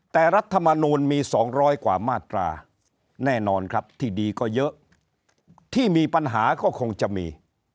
แต่รัฐมนูลมี๒๐๐กว่ามาตราแน่นอนครับที่ดีก็เยอะที่มีปัญหาก็คงจะมี